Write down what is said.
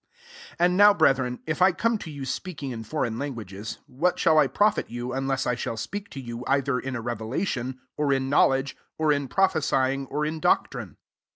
6 And now, brethren, if I come to you speaking in ybm^^ languages, what shall I pro Bt you, unless I shall speak to jTou either in a revelation, or in knowledge, or in prophesy ing, or in doctrine